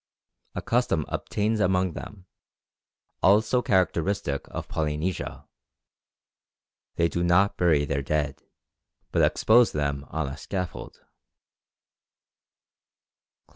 A custom obtains among them, also characteristic of Polynesia they do not bury their dead, but expose them on a scaffold.